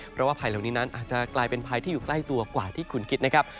เพราะว่าภัยเหล่านี้นั้นอาจจะกลายเป็นภัยที่อยู่ใกล้ตัวกว่าที่คุณคิดนะครับ